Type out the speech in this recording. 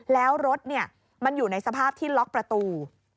แล้วรถมันอยู่ในสภาพที่ล็อกประตู